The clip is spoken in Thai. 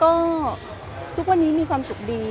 ก็ทุกวันนี้มีความสุขดี